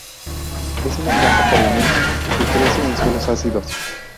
Es una planta perenne, que crece en suelos ácidos.